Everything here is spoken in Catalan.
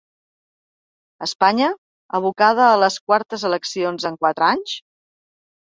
Espanya, abocada a les quartes eleccions en quatre anys?